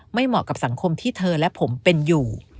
เหมาะกับสังคมที่เธอและผมเป็นอยู่